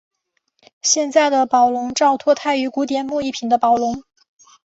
现在的宝龙罩脱胎于古典木艺品的宝笼。